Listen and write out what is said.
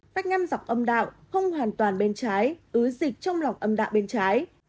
bách ngâm dọc âm đạo không hoàn toàn bên trái ứ dịch trong lòng âm đạo bên trái